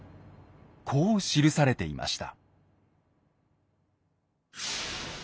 こう記されていました。